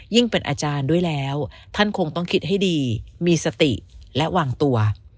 เป็นอาจารย์ด้วยแล้วท่านคงต้องคิดให้ดีมีสติและวางตัว